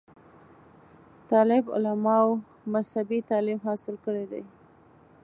طالب علمانومذهبي تعليم حاصل کړے دے